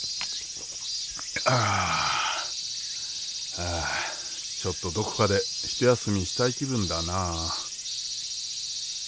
はあちょっとどこかで一休みしたい気分だなあ。